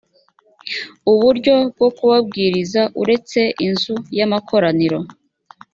uburyo bwo kubabwiriza uretse inzu y amakoraniro